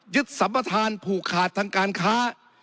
ยึดสัมพทานผูกขาดทางการค้า